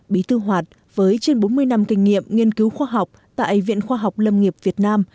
bí thư hoạt với trên bốn mươi năm kinh nghiệm nghiên cứu khoa học tại viện khoa học lâm nghiệp việt nam